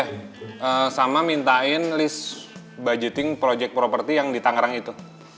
sama mintain list budgeting project property yang di tangerang itu